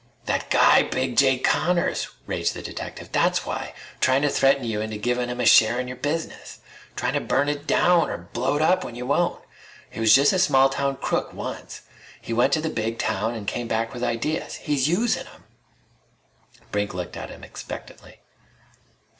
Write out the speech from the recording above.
"That guy Big Jake Connors!" raged the detective. "That's why! Tryin' to threaten you into givin' him a share in your business! Tryin' to burn it down or blow it up when you won't! He was just a small town crook, once. He went to the big town an' came back with ideas. He's usin' 'em!" Brink looked at him expectantly.